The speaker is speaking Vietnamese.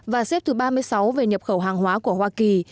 và xếp thứ ba mươi sáu về nhập khẩu hàng hóa của hoa kỳ